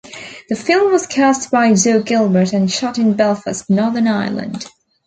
The film was cast by Jo Gilbert and shot in Belfast, Northern Ireland.